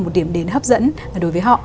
một điểm đến hấp dẫn đối với họ